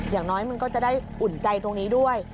อย่างน้อยมันก็จะได้อุ่นใจตรงนี้ด้วย